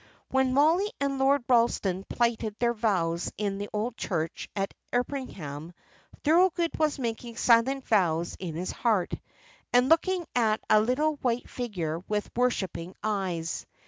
When Mollie and Lord Ralston plighted their vows in the old church at Erpingham, Thorold was making silent vows in his heart, and looking at a little white figure with worshipping eyes.